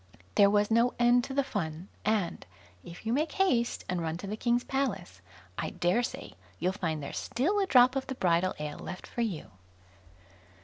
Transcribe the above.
There was no end to the fun; and, if you make haste and run to the King's palace, I dare say you'll find there's still a drop of the bridal ale left for you.